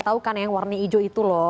tahu kan yang warna hijau itu loh